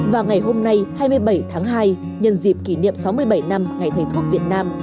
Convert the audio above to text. và ngày hôm nay hai mươi bảy tháng hai nhân dịp kỷ niệm sáu mươi bảy năm ngày thầy thuốc việt nam